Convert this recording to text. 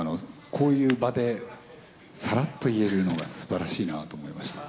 こういう場で、さらっと言えるのがすばらしいなと思いました。